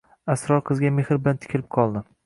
Asror qizga mehr bilan tikilib qoldi